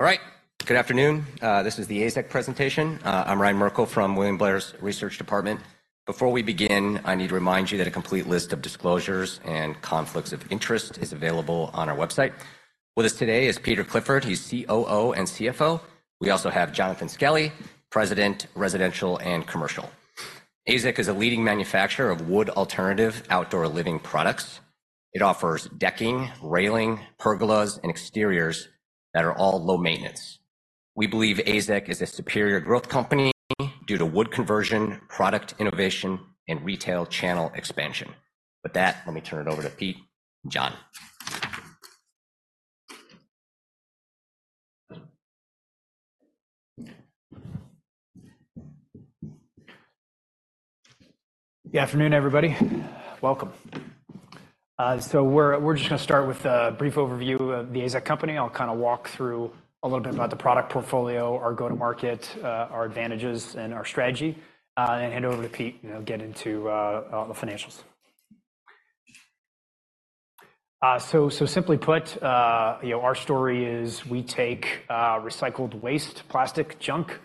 All right. Good afternoon. This is the AZEK presentation. I'm Ryan Merkel from William Blair's Research Department. Before we begin, I need to remind you that a complete list of disclosures and conflicts of interest is available on our website. With us today is Peter Clifford, he's COO and CFO. We also have Jonathan Skelly, President, Residential and Commercial. AZEK is a leading manufacturer of wood alternative outdoor living products. It offers decking, railing, pergolas, and exteriors that are all low maintenance. We believe AZEK is a superior growth company due to wood conversion, product innovation, and retail channel expansion. With that, let me turn it over to Pete and John. Good afternoon, everybody. Welcome. So we're just gonna start with a brief overview of The AZEK Company. I'll kinda walk through a little bit about the product portfolio, our go-to-market, our advantages, and our strategy, and hand over to Pete, and he'll get into the financials. So simply put, you know, our story is we take recycled waste plastic junk,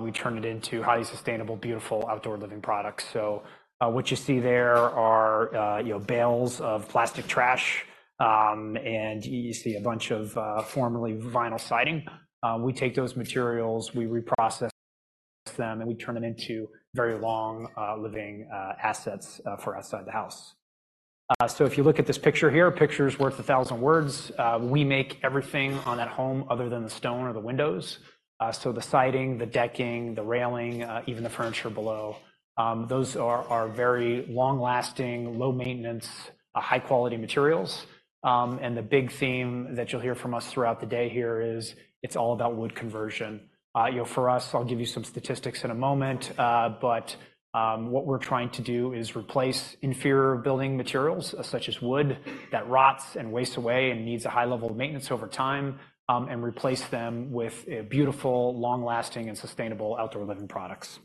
we turn it into highly sustainable, beautiful outdoor living products. So what you see there are, you know, bales of plastic trash, and you see a bunch of formerly vinyl siding. We take those materials, we reprocess them, and we turn it into very long living assets for outside the house. So if you look at this picture here, a picture's worth a thousand words. We make everything on that home other than the stone or the windows. So the siding, the decking, the railing, even the furniture below, those are very long-lasting, low maintenance, high-quality materials. And the big theme that you'll hear from us throughout the day here is, it's all about wood conversion. You know, for us, I'll give you some statistics in a moment, but what we're trying to do is replace inferior building materials, such as wood, that rots and wastes away and needs a high level of maintenance over time, and replace them with beautiful, long-lasting, and sustainable outdoor living products.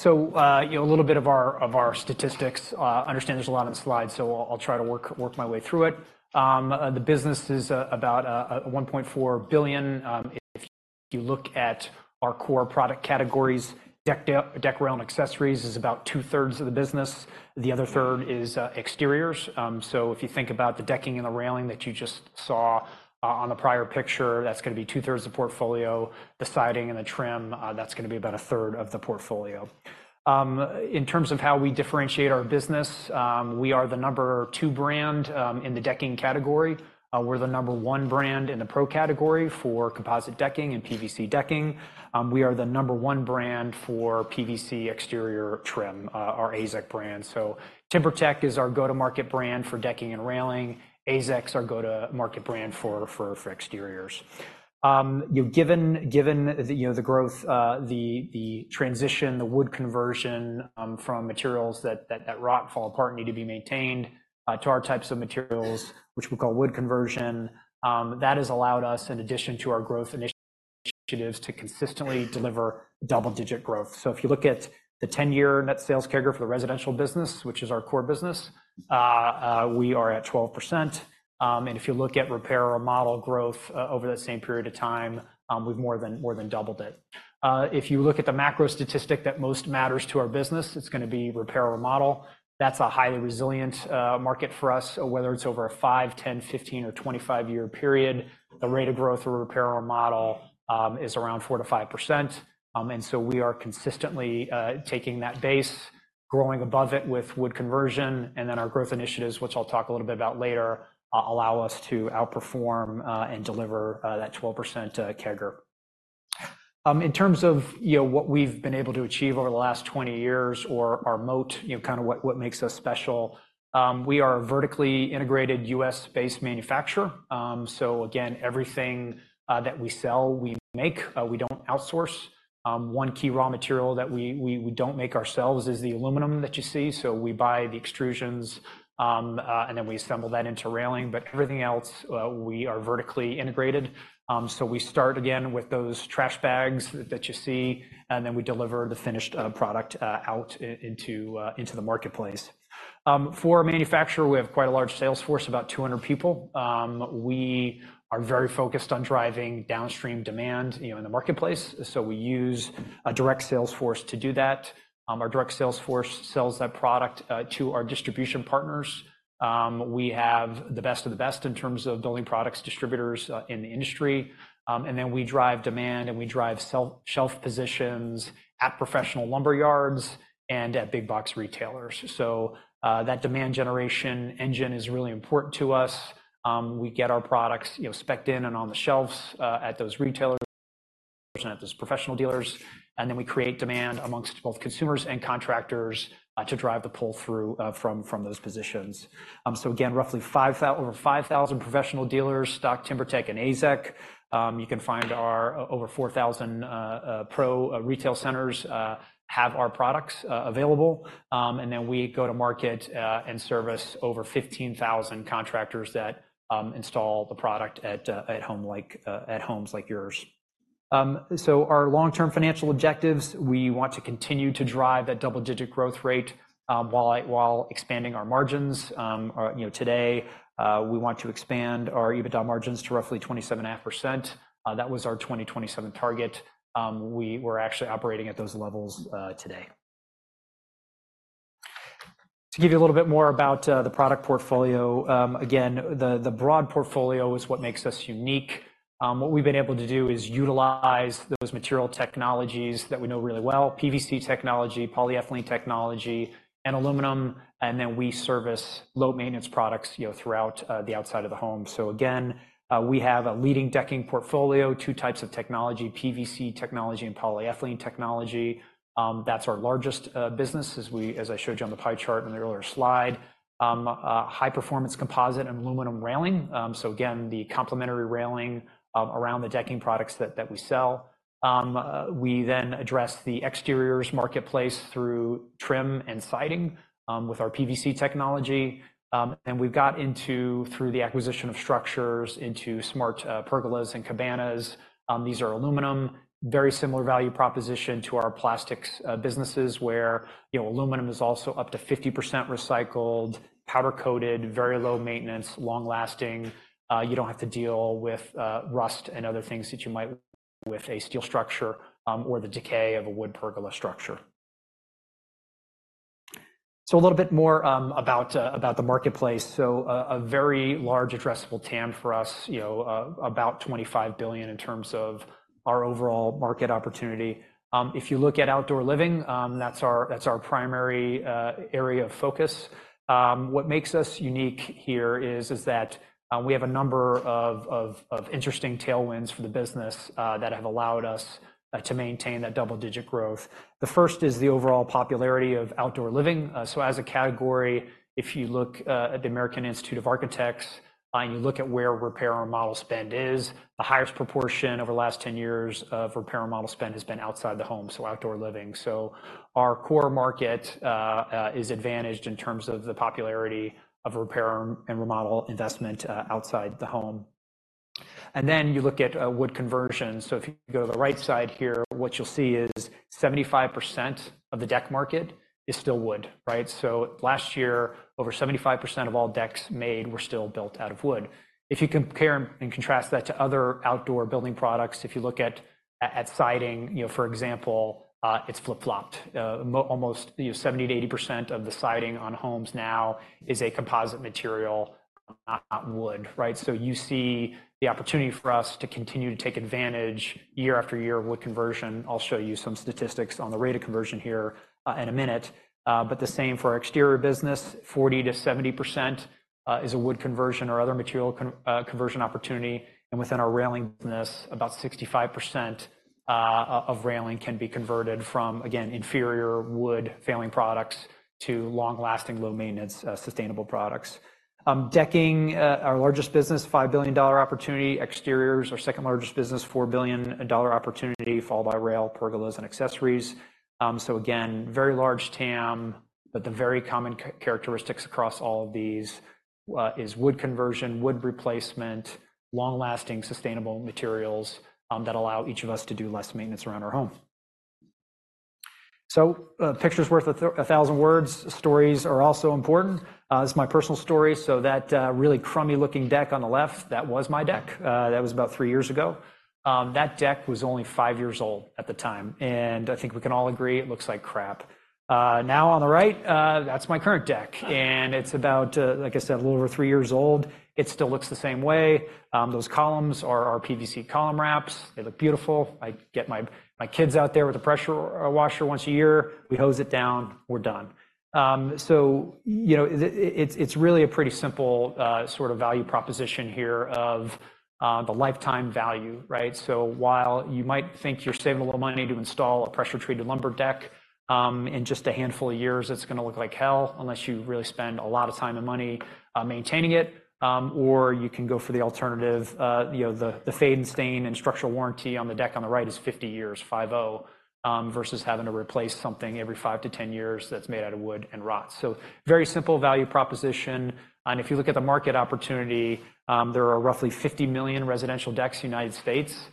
So, you know, a little bit of our statistics. I understand there's a lot on the slide, so I'll try to work my way through it. The business is about $1.4 billion. If you look at our core product categories, deck rail, and accessories is about two-thirds of the business. The other third is exteriors. So if you think about the decking and the railing that you just saw on the prior picture, that's gonna be two-thirds of the portfolio. The siding and the trim, that's gonna be about a third of the portfolio. In terms of how we differentiate our business, we are the number two brand in the decking category. We're the number one brand in the pro category for composite decking and PVC decking. We are the number one brand for PVC exterior trim, our AZEK brand. So TimberTech is our go-to-market brand for decking and railing. AZEK's our go-to-market brand for exteriors. You know, given the you know, the growth, the transition, the wood conversion, from materials that rot, fall apart, need to be maintained, to our types of materials, which we call wood conversion, that has allowed us, in addition to our growth initiatives, to consistently deliver double-digit growth. So if you look at the 10-year net sales CAGR for the residential business, which is our core business, we are at 12%. And if you look at repair and remodel growth, over that same period of time, we've more than doubled it. If you look at the macro statistic that most matters to our business, it's gonna be repair and remodel. That's a highly resilient market for us, whether it's over a 5-, 10-, 15-, or 25-year period, the rate of growth for repair and remodel is around 4%-5%. And so we are consistently taking that base, growing above it with wood conversion, and then our growth initiatives, which I'll talk a little bit about later, allow us to outperform and deliver that 12% CAGR. In terms of, you know, what we've been able to achieve over the last 20 years or our moat, you know, kind of what makes us special, we are a vertically integrated U.S.-based manufacturer. So again, everything that we sell, we make. We don't outsource. One key raw material that we don't make ourselves is the aluminum that you see. So we buy the extrusions, and then we assemble that into railing, but everything else, we are vertically integrated. So we start again with those trash bags that you see, and then we deliver the finished product into the marketplace. For a manufacturer, we have quite a large sales force, about 200 people. We are very focused on driving downstream demand, you know, in the marketplace, so we use a direct sales force to do that. Our direct sales force sells that product to our distribution partners. We have the best of the best in terms of building products, distributors, in the industry. And then we drive demand, and we drive shelf positions at professional lumber yards and at big box retailers. So, that demand generation engine is really important to us. We get our products, you know, spec'd in and on the shelves at those retailers at those professional dealers, and then we create demand amongst both consumers and contractors to drive the pull-through from those positions. So again, roughly over 5,000 professional dealers stock TimberTech and AZEK. You can find our over 4,000 pro retail centers have our products available. And then we go to market and service over 15,000 contractors that install the product at homes like yours. So our long-term financial objectives, we want to continue to drive that double-digit growth rate while expanding our margins. You know, today we want to expand our EBITDA margins to roughly 27.5%. That was our 2027 target. We're actually operating at those levels today. To give you a little bit more about the product portfolio, again, the broad portfolio is what makes us unique. What we've been able to do is utilize those material technologies that we know really well, PVC technology, polyethylene technology, and aluminum, and then we service low-maintenance products, you know, throughout the outside of the home. So again, we have a leading decking portfolio, two types of technology, PVC technology and polyethylene technology. That's our largest business, as I showed you on the pie chart in the earlier slide. High-performance composite and aluminum railing. So again, the complementary railing around the decking products that we sell. We then address the exteriors marketplace through trim and siding with our PVC technology. And we've got into, through the acquisition of StruXure, into smart pergolas and cabanas. These are aluminum, very similar value proposition to our plastics businesses, where, you know, aluminum is also up to 50% recycled, powder-coated, very low maintenance, long-lasting. You don't have to deal with rust and other things that you might with a steel structure or the decay of a wood pergola structure. So a little bit more about the marketplace. So, a very large addressable TAM for us, you know, about $25 billion in terms of our overall market opportunity. If you look at outdoor living, that's our primary area of focus. What makes us unique here is that we have a number of interesting tailwinds for the business that have allowed us to maintain that double-digit growth. The first is the overall popularity of outdoor living. So as a category, if you look at the American Institute of Architects, and you look at where repair or remodel spend is, the highest proportion over the last 10 years of repair and remodel spend has been outside the home, so outdoor living. So our core market is advantaged in terms of the popularity of repair and remodel investment outside the home. And then you look at wood conversion. So if you go to the right side here, what you'll see is 75% of the deck market is still wood, right? So last year, over 75% of all decks made were still built out of wood. If you compare and contrast that to other outdoor building products, if you look at siding, you know, for example, it's flip-flopped. Almost, you know, 70%-80% of the siding on homes now is a composite material, not wood, right? So you see the opportunity for us to continue to take advantage year after year of wood conversion. I'll show you some statistics on the rate of conversion here in a minute. But the same for our exterior business, 40%-70% is a wood conversion or other material conversion opportunity. Within our railing business, about 65% of railing can be converted from, again, inferior wood failing products to long-lasting, low-maintenance, sustainable products. Decking, our largest business, $5 billion opportunity. Exteriors, our second largest business, $4 billion opportunity, followed by rail, pergolas, and accessories. So again, very large TAM, but the very common characteristics across all of these is wood conversion, wood replacement, long-lasting, sustainable materials that allow each of us to do less maintenance around our home. So a picture's worth a thousand words. Stories are also important. This is my personal story. So that, really crummy-looking deck on the left, that was my deck. That was about 3 years ago. That deck was only 5 years old at the time, and I think we can all agree it looks like crap. Now, on the right, that's my current deck, and it's about, like I said, a little over 3 years old. It still looks the same way. Those columns are our PVC column wraps. They look beautiful. I get my kids out there with a pressure washer once a year, we hose it down, we're done. So, you know, it's really a pretty simple sort of value proposition here of the lifetime value, right? So while you might think you're saving a little money to install a pressure-treated lumber deck, in just a handful of years, it's gonna look like hell, unless you really spend a lot of time and money maintaining it. Or you can go for the alternative, you know, the fade and stain and structural warranty on the deck on the right is 50 years, 50, versus having to replace something every 5-10 years that's made out of wood and rot. So very simple value proposition, and if you look at the market opportunity, there are roughly 50 million residential decks in the United States.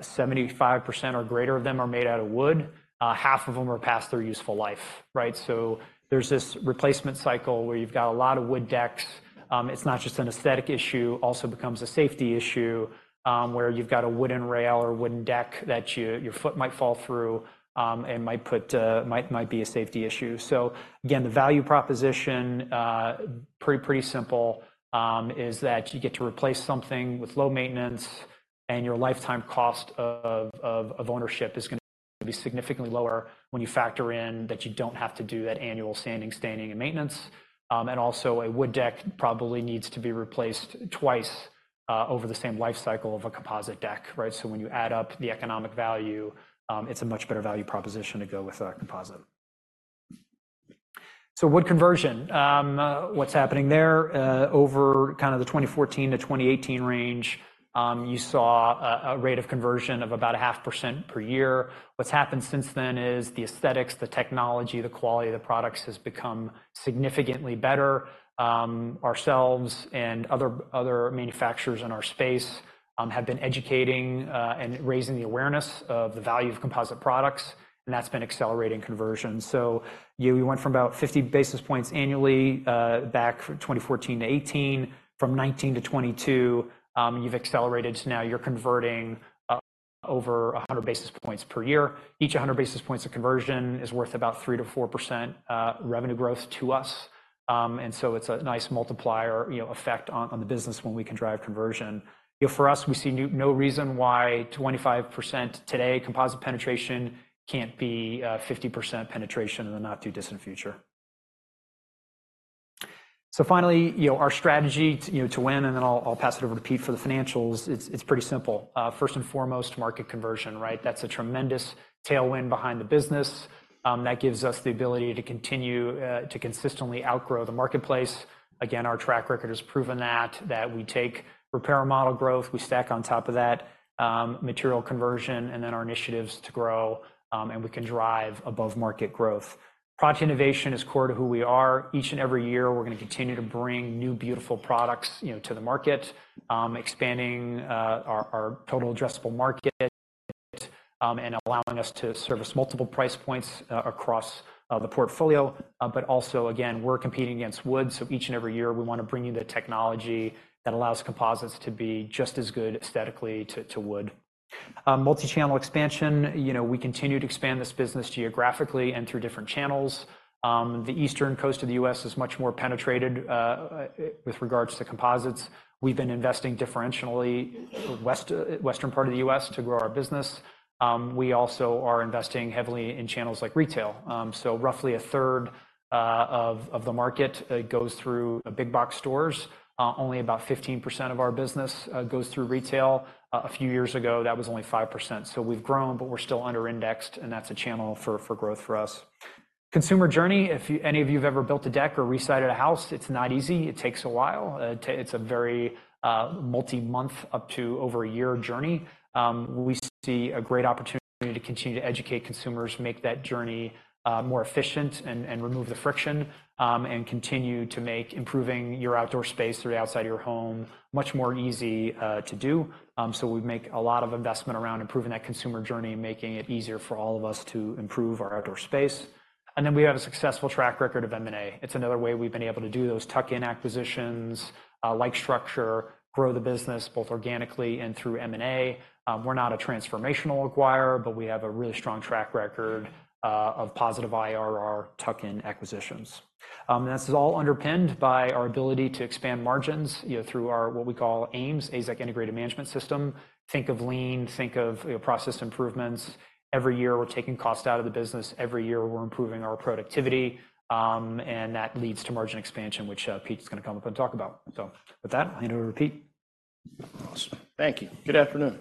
Seventy-five percent or greater of them are made out of wood. Half of them are past their useful life, right? So there's this replacement cycle where you've got a lot of wood decks. It's not just an aesthetic issue, also becomes a safety issue, where you've got a wooden rail or wooden deck that your foot might fall through, and might put, might be a safety issue. So again, the value proposition, pretty, pretty simple, is that you get to replace something with low maintenance, and your lifetime cost of ownership is gonna be significantly lower when you factor in that you don't have to do that annual sanding, staining, and maintenance. And also, a wood deck probably needs to be replaced twice, over the same life cycle of a composite deck, right? So when you add up the economic value, it's a much better value proposition to go with a composite. So wood conversion, what's happening there? Over kind of the 2014-2018 range, you saw a rate of conversion of about 0.5% per year. What's happened since then is the aesthetics, the technology, the quality of the products has become significantly better. Ourselves and other manufacturers in our space have been educating and raising the awareness of the value of composite products, and that's been accelerating conversion. So we went from about 50 basis points annually back from 2014 to 2018. From 2019 to 2022, you've accelerated, so now you're converting over 100 basis points per year. Each 100 basis points of conversion is worth about 3%-4% revenue growth to us. And so it's a nice multiplier, you know, effect on the business when we can drive conversion. For us, we see no reason why 25% today, composite penetration can't be 50% penetration in the not too distant future. So finally, you know, our strategy to, you know, to win, and then I'll pass it over to Pete for the financials. It's pretty simple. First and foremost, market conversion, right? That's a tremendous tailwind behind the business. That gives us the ability to continue to consistently outgrow the marketplace. Again, our track record has proven that we take repair and remodel growth, we stack on top of that, material conversion, and then our initiatives to grow, and we can drive above market growth. Product innovation is core to who we are. Each and every year, we're gonna continue to bring new, beautiful products, you know, to the market, expanding our total addressable market, and allowing us to service multiple price points across the portfolio. But also, again, we're competing against wood, so each and every year, we wanna bring you the technology that allows composites to be just as good aesthetically to wood. Multi-channel expansion, you know, we continue to expand this business geographically and through different channels. The eastern coast of the U.S. is much more penetrated with regards to composites. We've been investing differentially west, western part of the U.S. to grow our business. We also are investing heavily in channels like retail. So roughly a third of the market goes through big box stores. Only about 15% of our business goes through retail. A few years ago, that was only 5%. So we've grown, but we're still under-indexed, and that's a channel for growth for us. Consumer journey, if you, any of you've ever built a deck or re-sided a house, it's not easy. It takes a while. It's a very multi-month up to over a year journey. We see a great opportunity to continue to educate consumers, make that journey more efficient and remove the friction, and continue to make improving your outdoor space or the outside of your home much more easy to do. So we make a lot of investment around improving that consumer journey, making it easier for all of us to improve our outdoor space. And then we have a successful track record of M&A. It's another way we've been able to do those tuck-in acquisitions, like StruXure, grow the business, both organically and through M&A. We're not a transformational acquirer, but we have a really strong track record of positive IRR tuck-in acquisitions. This is all underpinned by our ability to expand margins, you know, through our, what we call AIMS, AZEK Integrated Management System. Think of lean, think of, you know, process improvements. Every year, we're taking cost out of the business. Every year, we're improving our productivity, and that leads to margin expansion, which, Pete's gonna come up and talk about. So with that, hand over to Pete. Awesome. Thank you. Good afternoon.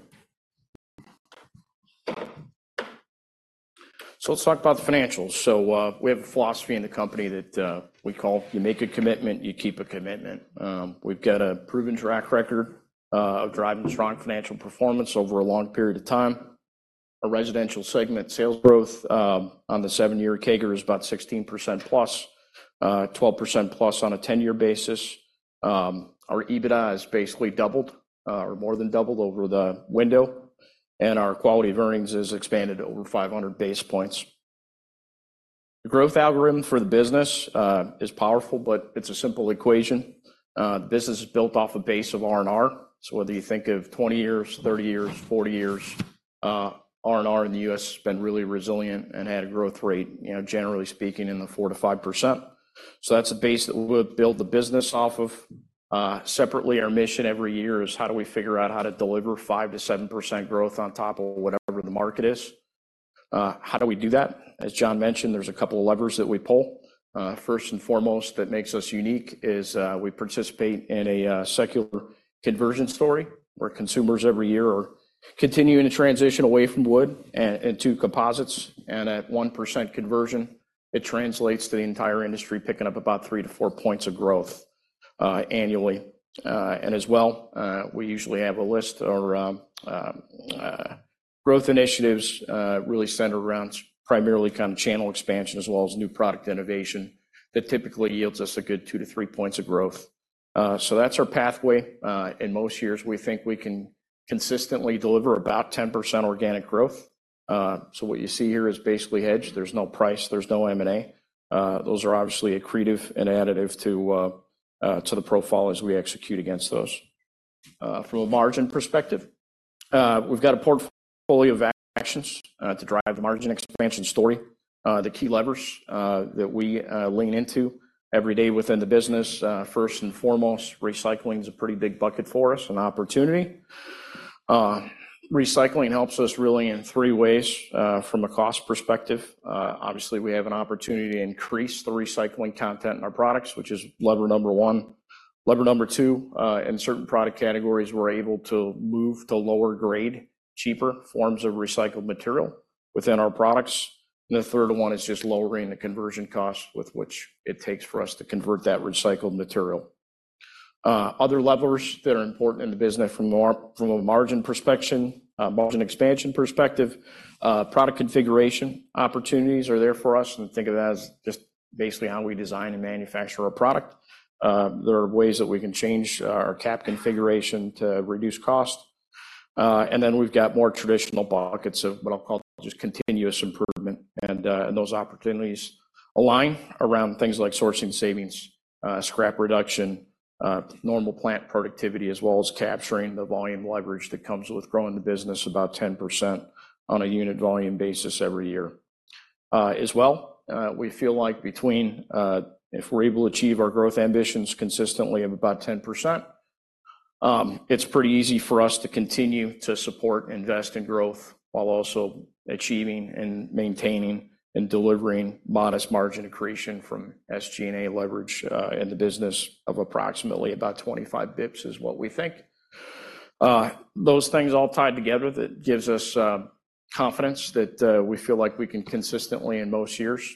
So let's talk about the financials. We have a philosophy in the company that we call: You make a commitment, you keep a commitment. We've got a proven track record of driving strong financial performance over a long period of time. Our residential segment sales growth on the seven-year CAGR is about 16%+, 12%+ on a 10-year basis. Our EBITDA has basically doubled or more than doubled over the window, and our quality of earnings has expanded over 500 basis points. The growth algorithm for the business is powerful, but it's a simple equation. The business is built off a base of R&R. So whether you think of 20 years, 30 years, 40 years, R&R in the U.S. has been really resilient and had a growth rate, you know, generally speaking, in the 4%-5%. That's a base that we would build the business off of. Separately, our mission every year is how do we figure out how to deliver 5%-7% growth on top of whatever the market is? How do we do that? As John mentioned, there's a couple of levers that we pull. First and foremost, that makes us unique is, we participate in a, secular conversion story, where consumers every year are continuing to transition away from wood and to composites, and at 1% conversion, it translates to the entire industry picking up about 3-4 points of growth, annually. And as well, we usually have a list or growth initiatives, really centered around primarily kind of channel expansion, as well as new product innovation that typically yields us a good 2-3 points of growth. So that's our pathway. In most years, we think we can consistently deliver about 10% organic growth. So what you see here is basically hedged. There's no price, there's no M&A. Those are obviously accretive and additive to the profile as we execute against those. From a margin perspective, we've got a portfolio of actions to drive the margin expansion story. The key levers that we lean into every day within the business, first and foremost, recycling is a pretty big bucket for us, an opportunity. Recycling helps us really in three ways, from a cost perspective. Obviously, we have an opportunity to increase the recycling content in our products, which is lever number one. Lever number two, in certain product categories, we're able to move to lower grade, cheaper forms of recycled material within our products. And the third one is just lowering the conversion cost with which it takes for us to convert that recycled material. Other levers that are important in the business from more, from a margin perspective, margin expansion perspective, product configuration opportunities are there for us, and think of that as just basically how we design and manufacture a product. There are ways that we can change our cap configuration to reduce cost. And then we've got more traditional buckets of what I'll call just continuous improvement, and those opportunities align around things like sourcing savings, scrap reduction, normal plant productivity, as well as capturing the volume leverage that comes with growing the business about 10% on a unit volume basis every year. As well, we feel like between if we're able to achieve our growth ambitions consistently of about 10%, it's pretty easy for us to continue to support, invest in growth, while also achieving and maintaining and delivering modest margin accretion from SG&A leverage in the business of approximately about 25 basis points, is what we think. Those things all tied together, that gives us confidence that we feel like we can consistently, in most years,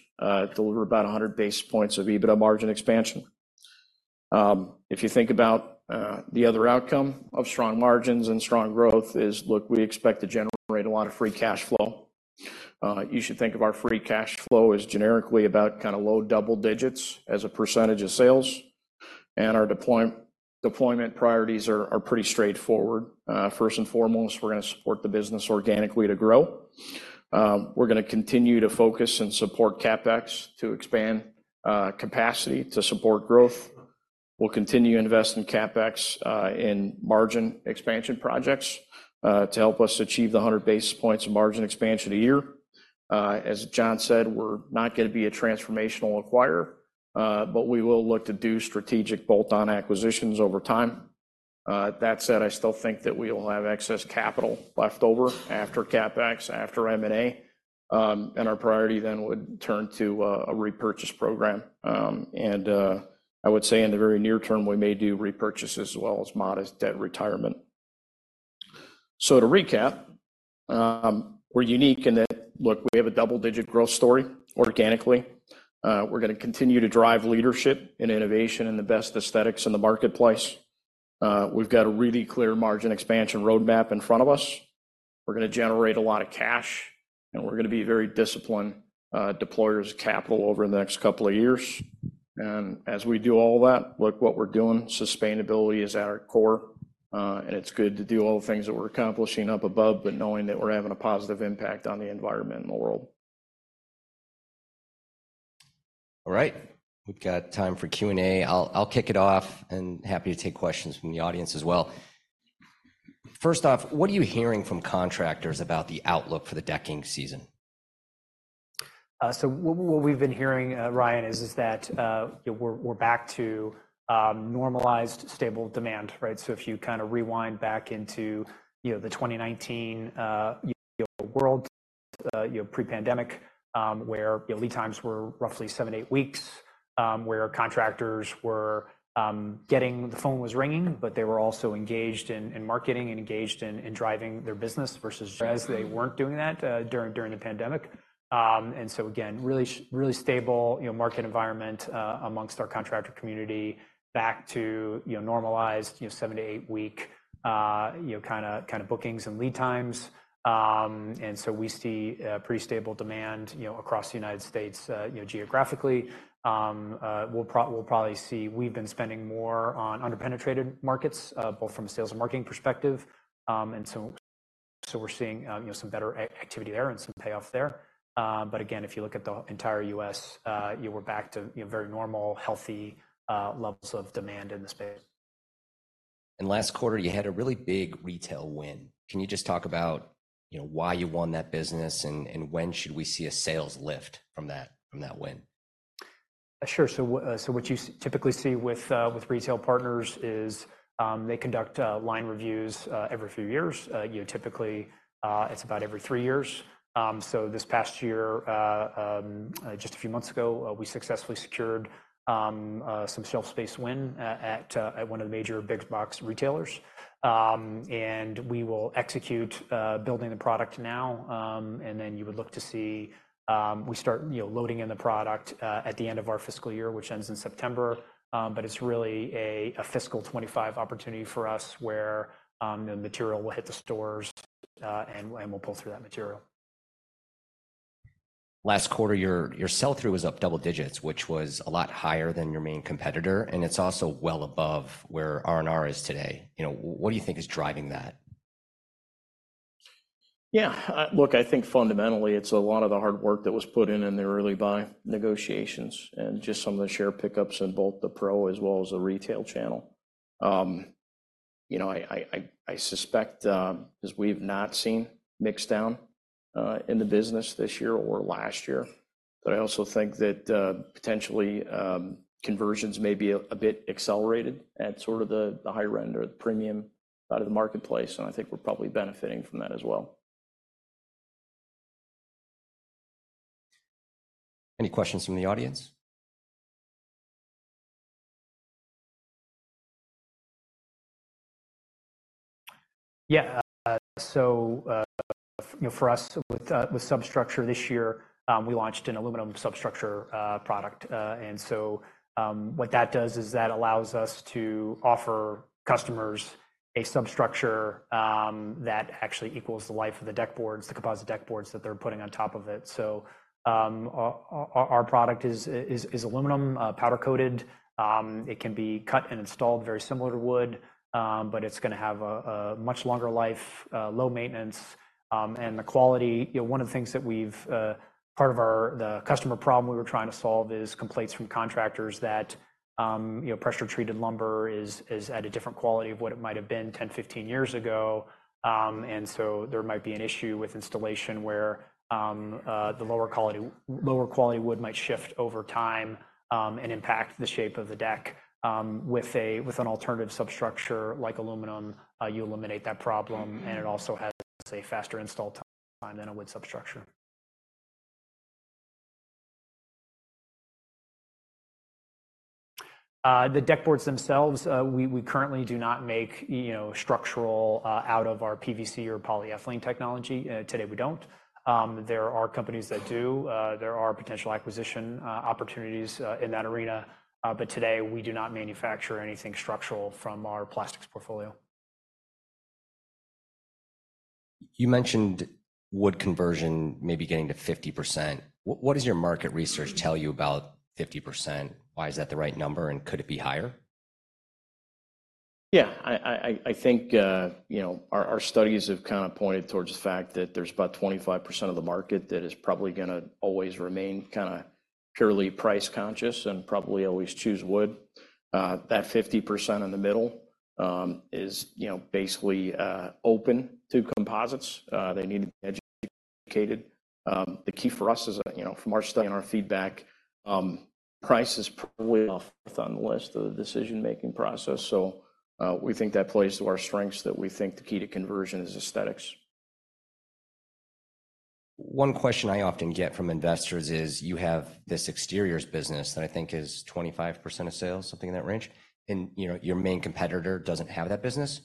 deliver about 100 basis points of EBITDA margin expansion. If you think about the other outcome of strong margins and strong growth is, look, we expect to generate a lot of free cash flow. You should think of our free cash flow as generically about kinda low double digits as a percentage of sales, and our deployment priorities are pretty straightforward. First and foremost, we're gonna support the business organically to grow. We're gonna continue to focus and support CapEx to expand capacity to support growth. We'll continue to invest in CapEx in margin expansion projects to help us achieve 100 basis points of margin expansion a year. As John said, we're not gonna be a transformational acquirer, but we will look to do strategic bolt-on acquisitions over time. That said, I still think that we will have excess capital left over after CapEx, after M&A, and our priority then would turn to a repurchase program. And I would say in the very near term, we may do repurchases as well as modest debt retirement. So to recap, we're unique in that, look, we have a double-digit growth story organically. We're gonna continue to drive leadership and innovation and the best aesthetics in the marketplace. We've got a really clear margin expansion roadmap in front of us. We're gonna generate a lot of cash, and we're gonna be very disciplined deployers of capital over the next couple of years. As we do all that, look what we're doing. Sustainability is at our core, and it's good to do all the things that we're accomplishing up above, but knowing that we're having a positive impact on the environment and the world. All right, we've got time for Q&A. I'll, I'll kick it off, and happy to take questions from the audience as well. First off, what are you hearing from contractors about the outlook for the decking season? So what we've been hearing, Ryan, is that, you know, we're back to normalized, stable demand, right? So if you kinda rewind back into, you know, the 2019 world, you know, pre-pandemic, where, you know, lead times were roughly 7-8 weeks, where contractors were getting... The phone was ringing, but they were also engaged in marketing and engaged in driving their business versus they weren't doing that during the pandemic. And so again, really stable, you know, market environment amongst our contractor community back to, you know, normalized, you know, 7-8 week kinda bookings and lead times. And so we see pretty stable demand, you know, across the United States, you know, geographically. We'll probably see we've been spending more on underpenetrated markets, both from a sales and marketing perspective. And so we're seeing, you know, some better activity there and some payoff there. But again, if you look at the entire US, you know, we're back to, you know, very normal, healthy levels of demand in the space. Last quarter, you had a really big retail win. Can you just talk about, you know, why you won that business, and when should we see a sales lift from that win? Sure. So what you typically see with retail partners is, they conduct line reviews every few years. You know, typically, it's about every three years. So this past year, just a few months ago, we successfully secured some shelf space win at one of the major big box retailers. And we will execute building the product now, and then you would look to see we start, you know, loading in the product at the end of our fiscal year, which ends in September. But it's really a fiscal 25 opportunity for us, where the material will hit the stores, and we'll pull through that material. Last quarter, your sell-through was up double digits, which was a lot higher than your main competitor, and it's also well above where R&R is today. You know, what do you think is driving that? Yeah, look, I think fundamentally, it's a lot of the hard work that was put in in the early buy negotiations and just some of the share pickups in both the pro as well as the retail channel. You know, I suspect as we've not seen mix down in the business this year or last year, but I also think that potentially conversions may be a bit accelerated at sort of the high end or the premium out of the marketplace, and I think we're probably benefiting from that as well.... Any questions from the audience? Yeah, so, you know, for us with substructure this year, we launched an aluminum substructure product. And so, what that does is that allows us to offer customers a substructure that actually equals the life of the deck boards, the composite deck boards that they're putting on top of it. So, our product is aluminum powder-coated. It can be cut and installed very similar to wood, but it's gonna have a much longer life, low maintenance, and the quality... You know, one of the things that we've part of our the customer problem we were trying to solve is complaints from contractors that, you know, pressure-treated lumber is, is at a different quality of what it might have been 10, 15 years ago. And so there might be an issue with installation where the lower quality, lower quality wood might shift over time, and impact the shape of the deck. With an alternative substructure like aluminum, you eliminate that problem, and it also has a faster install time than a wood substructure. The deck boards themselves, we, we currently do not make, you know, structural out of our PVC or polyethylene technology. Today, we don't. There are companies that do. There are potential acquisition opportunities in that arena, but today we do not manufacture anything structural from our plastics portfolio. You mentioned wood conversion maybe getting to 50%. What, what does your market research tell you about 50%? Why is that the right number, and could it be higher? Yeah, I think, you know, our studies have kinda pointed towards the fact that there's about 25% of the market that is probably gonna always remain kinda purely price conscious and probably always choose wood. That 50% in the middle is, you know, basically open to composites. They need to be educated. The key for us is, you know, from our study and our feedback, price is probably off on the list of the decision-making process, so we think that plays to our strengths, that we think the key to conversion is aesthetics. One question I often get from investors is, you have this exteriors business that I think is 25% of sales, something in that range, and, you know, your main competitor doesn't have that business.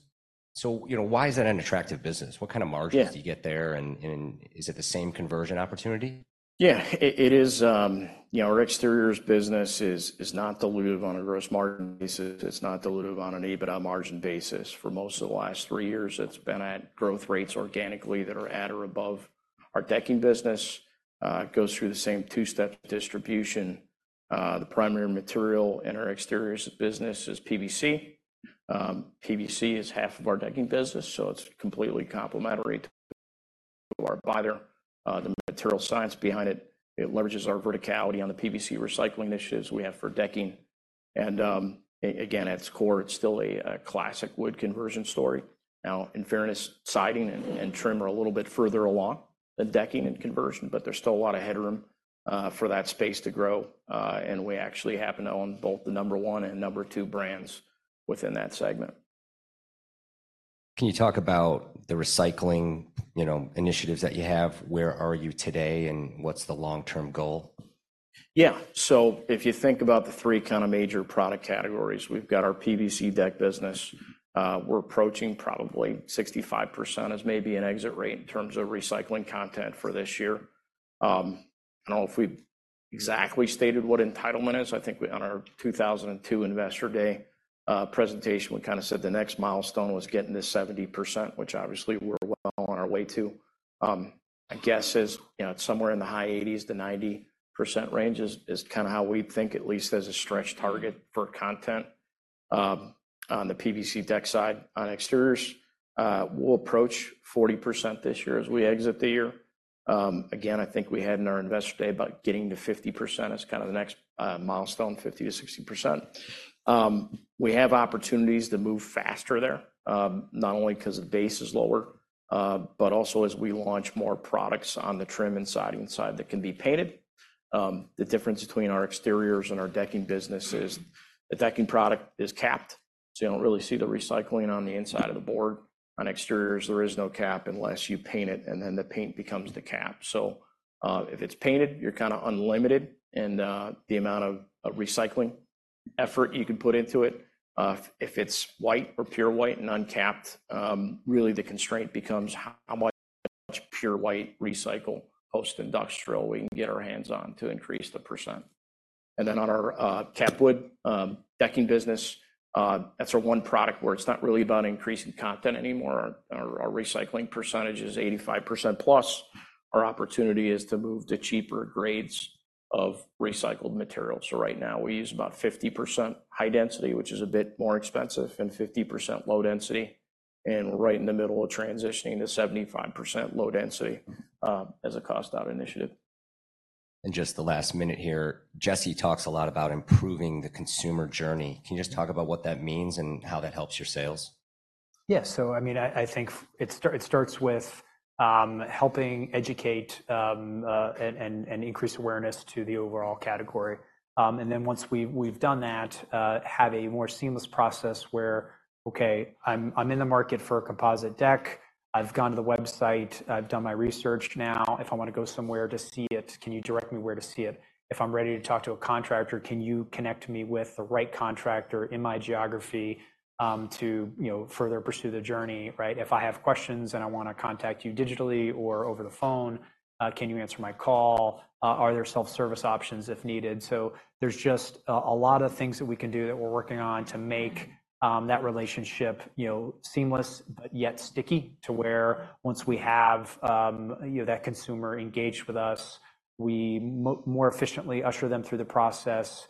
So, you know, why is that an attractive business? What kind of margins- Yeah... do you get there, and is it the same conversion opportunity? Yeah, it is, you know, our exteriors business is not dilutive on a gross margin basis. It's not dilutive on an EBITDA margin basis. For most of the last three years, it's been at growth rates organically that are at or above our decking business. It goes through the same two-step distribution. The primary material in our exteriors business is PVC. PVC is half of our decking business, so it's completely complementary to our buyer. The material science behind it, it leverages our verticality on the PVC recycling initiatives we have for decking, and again, at its core, it's still a classic wood conversion story. Now, in fairness, siding and trim are a little bit further along than decking and conversion, but there's still a lot of headroom for that space to grow. We actually happen to own both the number one and number two brands within that segment. Can you talk about the recycling, you know, initiatives that you have? Where are you today, and what's the long-term goal? Yeah. So if you think about the three kinda major product categories, we've got our PVC deck business. We're approaching probably 65% as maybe an exit rate in terms of recycled content for this year. I don't know if we exactly stated what entitlement is. I think we, on our 2022 Investor Day, presentation, we kinda said the next milestone was getting to 70%, which obviously we're well on our way to. I guess as, you know, it's somewhere in the high 80s-90% range is, is kinda how we think, at least as a stretch target for content, on the PVC deck side. On exteriors, we'll approach 40% this year as we exit the year. Again, I think we had in our Investor Day about getting to 50% as kinda the next milestone, 50%-60%. We have opportunities to move faster there, not only 'cause the base is lower, but also as we launch more products on the trim and siding side that can be painted. The difference between our exteriors and our decking business is the decking product is capped, so you don't really see the recycling on the inside of the board. On exteriors, there is no cap unless you paint it, and then the paint becomes the cap. So, if it's painted, you're kinda unlimited in the amount of recycling effort you can put into it. If it's white or pure white and uncapped, really the constraint becomes how much pure white recycle, post-industrial we can get our hands on to increase the percent. And then on our capped wood decking business, that's our one product where it's not really about increasing content anymore. Our recycling percentage is 85% plus. Our opportunity is to move to cheaper grades of recycled material. So right now, we use about 50% high density, which is a bit more expensive, and 50% low density, and we're right in the middle of transitioning to 75% low density as a cost-out initiative. In just the last minute here, Jesse talks a lot about improving the consumer journey. Can you just talk about what that means and how that helps your sales? Yeah, so I mean, I think it starts with helping educate and increase awareness to the overall category. And then once we've done that, have a more seamless process where, "Okay, I'm in the market for a composite deck. I've gone to the website. I've done my research. Now, if I wanna go somewhere to see it, can you direct me where to see it? If I'm ready to talk to a contractor, can you connect me with the right contractor in my geography, to you know, further pursue the journey," right? "If I have questions and I wanna contact you digitally or over the phone, can you answer my call? Are there self-service options if needed?" So there's just a lot of things that we can do that we're working on to make that relationship, you know, seamless but yet sticky, to where once we have that consumer engaged with us, we more efficiently usher them through the process.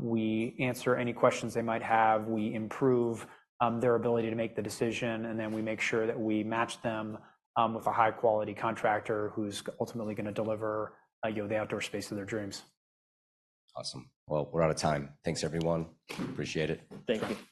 We answer any questions they might have, we improve their ability to make the decision, and then we make sure that we match them with a high-quality contractor who's ultimately gonna deliver, you know, the outdoor space of their dreams. Awesome. Well, we're out of time. Thanks, everyone. Appreciate it. Thank you.